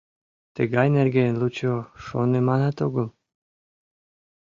Тыгай нерген лучо шоныманат огыл».